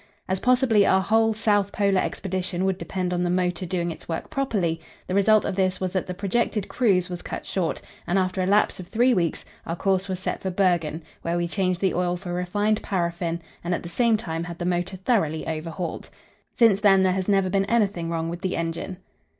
As possibly our whole South Polar Expedition would depend on the motor doing its work properly, the result of this was that the projected cruise was cut short, and after a lapse of three weeks our course was set for Bergen, where we changed the oil for refined paraffin, and at the same time had the motor thoroughly overhauled. Since then there has never been anything wrong with the engine.